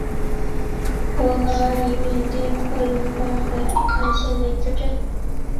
博嘎里缅甸克伦邦帕安县的一个镇。